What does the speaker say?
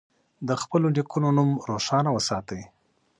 د خپلو نیکونو نوم روښانه وساتئ.